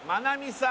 さん